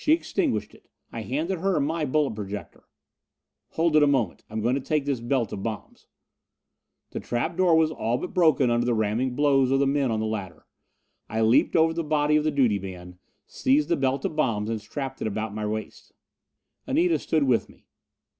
She extinguished it. I handed her my bullet projector. "Hold it a moment. I'm going to take that belt of bombs." The trap door was all but broken under the ramming blows of the men on the ladder. I leaped over the body of the duty man, seized the belt of bombs and strapped it about my waist. Anita stood with me.